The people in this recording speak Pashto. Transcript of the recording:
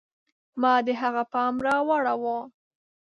ما د هغه پام را واړوه.